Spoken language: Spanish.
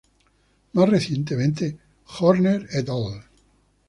Más recientemente, Horner et al.